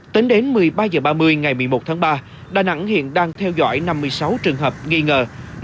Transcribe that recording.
tính đến một mươi ba h ba mươi ngày một mươi một tháng ba đà nẵng hiện đang theo dõi năm mươi sáu trường hợp nghi ngờ